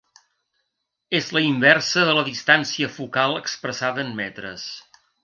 És la inversa de la distància focal expressada en metres.